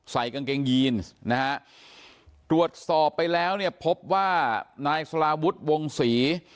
ใส่กางเกงยีนนะฮะตรวจสอบไปแล้วเนี่ยพบว่านายสลาวุฒิวงศรี